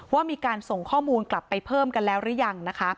ว่ามีการส่งข้อมูลกลับไปเพิ่มกันแล้วหรือยังนะคะ